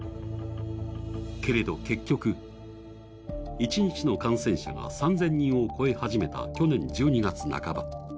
けれど結局、一日の感染者が３０００人を超え始めた去年１２月半ば。